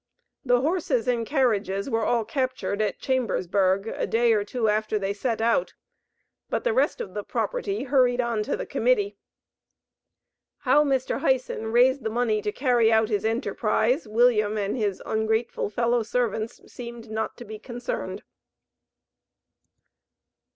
The horses and carriages were all captured at Chambersburg, a day or two after they set out, but the rest of the property hurried on to the Committee. How Mr. Hyson raised the money to carry out his enterprise, William and his "ungrateful" fellow servants seemed not to be concerned.